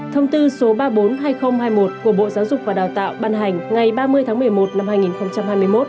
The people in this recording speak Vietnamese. thông tư số ba trăm bốn mươi hai nghìn hai mươi một của bộ giáo dục và đào tạo ban hành ngày ba mươi tháng một mươi một năm hai nghìn hai mươi một